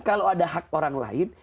kalau ada hak orang lain